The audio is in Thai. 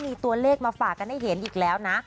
มีตัวเลขมาฝากกันให้เห็นอีกแล้วนะ